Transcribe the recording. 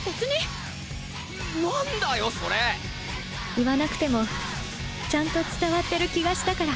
言わなくてもちゃんと伝わってる気がしたから